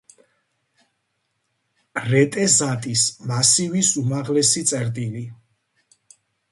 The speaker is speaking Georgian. რეტეზატის მასივის უმაღლესი წერტილი.